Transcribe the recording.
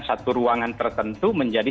satu ruangan tertentu menjadi